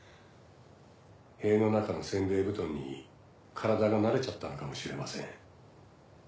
塀の中の煎餅布団に体が慣れちゃったのかもしれません。